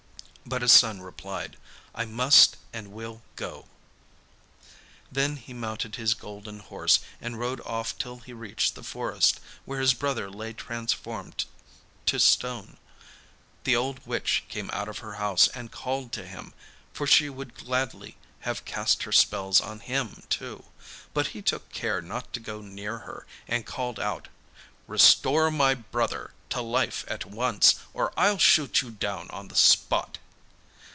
But his son replied, 'I must and will go.' Then he mounted his golden horse, and rode off till he reached the forest where his brother lay transformed to stone. The old witch came out of her house and called to him, for she would gladly have cast her spells on him too, but he took care not to go near her, and called out: 'Restore my brother to life at once, or I'll shoot you down on the spot.